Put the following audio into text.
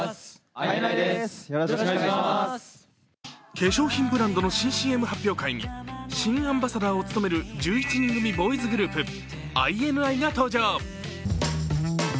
化粧品ブランドの新ＣＭ発表会に新アンバサダーを務める１１人組ボーイズグループＩＮＩが登場。